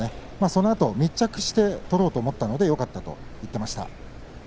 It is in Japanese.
そのあと密着して取ろうと思ったのでよかったと言っていました。